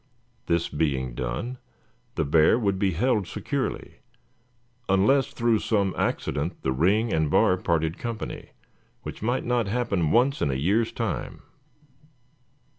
This being done the bear would be held securely, unless through some accident the ring and bar parted company, which might not happen once in a year's time.